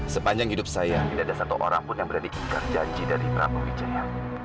sepanjang hidup saya tidak ada satu orang pun yang berada di janji dari prabowo wijaya